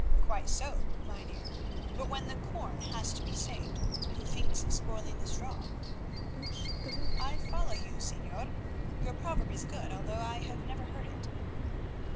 "Quite so, Mynheer, but when the corn has to be saved, who thinks of spoiling the straw?" "I follow you, Señor, your proverb is good, although I have never heard it."